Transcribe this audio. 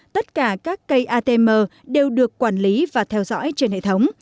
tất cả các cây atm đều được quản lý và theo dõi trên hệ thống